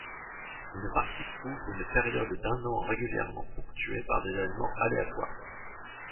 Une partie couvre une période d’un an régulièrement ponctiué par des évenements aléatoires.